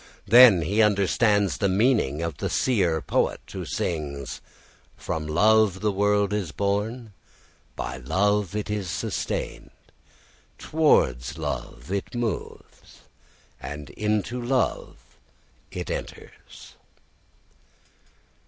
Then he understands the meaning of the seer poet who sings, "From love the world is born, by love it is sustained, towards love it moves, and into love it enters."